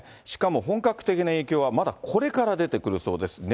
しかも本格的な影響はまだこれから出てくるそうです。